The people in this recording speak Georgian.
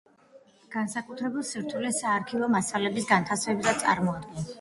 განსაკუთრებულ სირთულეს საარქივო მასალების განთავსება წარმოადგენს.